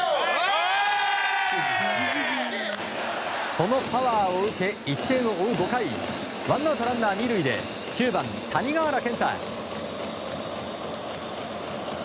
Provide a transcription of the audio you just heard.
そのパワーを受け１点を追う５回ワンアウトランナー、２塁で９番、谷川原健太。